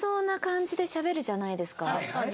確かに。